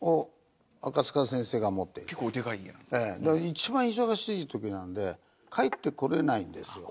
一番忙しい時なんで帰ってこれないんですよ。